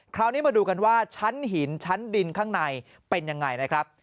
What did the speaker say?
คราวนี้มาดูกันว่าชั้นหินชั้นดินข้างในเป็นยังไงนะครับ